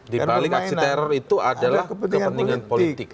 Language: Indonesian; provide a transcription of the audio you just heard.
dibalik aksi teror itu adalah kepentingan politik